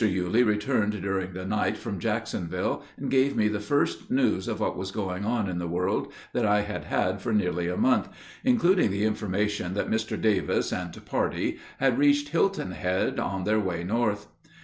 Yulee returned during the night from Jacksonville, and gave me the first news of what was going on in the world that I had had for nearly a month, including the information that Mr. Davis and party had reached Hilton Head on their way north.